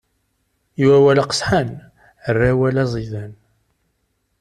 I wawal aqesḥan, err awal aẓidan!